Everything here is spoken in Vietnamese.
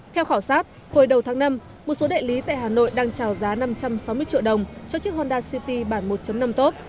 theo khảo sát hồi đầu tháng năm một số đại lý tại hà nội đang trào giá năm trăm sáu mươi triệu đồng cho chiếc honda city bản một năm top